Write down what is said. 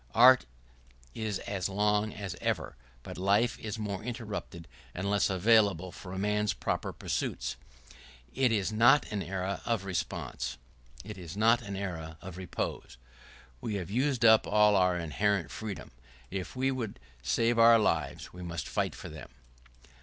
Art is as long as ever, but life is more interrupted and less available for a man's proper pursuits. It is not an era of repose. We have used up all our inherited freedom. If we would save our lives, we must fight for them.